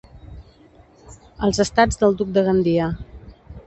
Els estats del duc de Gandia.